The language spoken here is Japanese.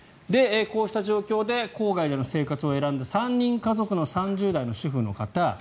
こうした状況で郊外での生活を選んだ３人家族の３０代の主婦の方。